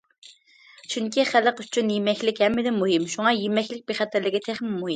چۈنكى، خەلق ئۈچۈن يېمەكلىك ھەممىدىن مۇھىم، شۇڭا يېمەكلىك بىخەتەرلىكى تېخىمۇ مۇھىم.